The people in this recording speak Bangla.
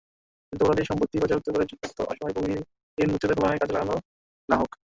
যুদ্ধাপরাধীদের সম্পত্তি বাজেয়াপ্ত করে যুদ্ধাহত, অসহায়, ভূমিহীন মুক্তিযোদ্ধাদের কল্যাণে কাজে লাগানো হোক।